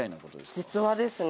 実話ですね